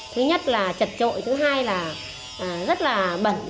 thứ nhất là trật trội thứ hai là rất là bẩn